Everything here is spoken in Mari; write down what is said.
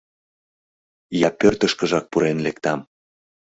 Я пӧртышкыжак пурен лектам...